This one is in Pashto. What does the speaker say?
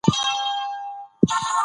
لوستې میندې د کور چاپېریال پاک ساتي.